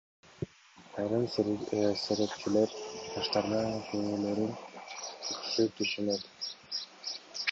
Айрым серепчилер жаштардын көйгөйлөрүн жакшы түшүнүшөт.